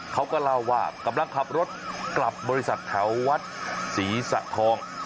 เขาก็เล่าว่ากำลังขับรถกลับบริษัทแถววัดศรีสะทอง